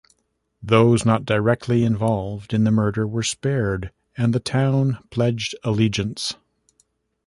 Those not directly involved in the murder were spared and the town pledged allegiance.